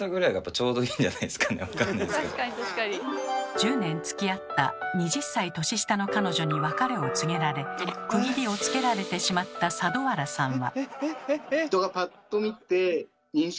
１０年つきあった２０歳年下の彼女に別れを告げられ区切りをつけられてしまった佐渡原さんは。